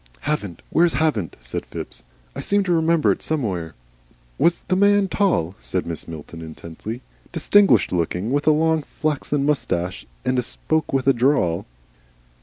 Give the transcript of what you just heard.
"Havant! Where's Havant?" said Phipps. "I seem to remember it somewhere." "Was the man tall?" said Mrs. Milton, intently, "distinguished looking? with a long, flaxen moustache? and spoke with a drawl?"